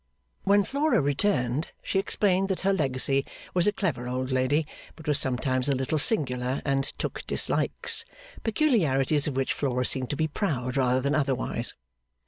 When Flora returned, she explained that her legacy was a clever old lady, but was sometimes a little singular, and 'took dislikes' peculiarities of which Flora seemed to be proud rather than otherwise.